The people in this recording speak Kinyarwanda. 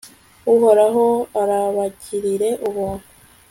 uhoraho arabagirire ubuntu